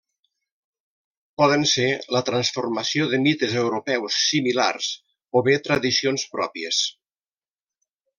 Poden ser la transformació de mites europeus similars o bé tradicions pròpies.